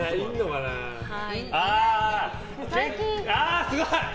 ああ、すごい！